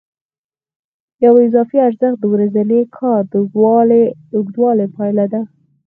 یو اضافي ارزښت د ورځني کار د اوږدوالي پایله ده